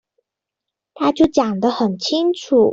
他就講得很清楚